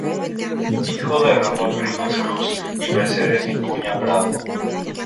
Hijo de "Ramón Rivas Cruz" y "Mercedes Vicuña Prado".